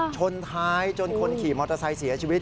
ชนท้ายจนคนขี่มอเตอร์ไซค์เสียชีวิต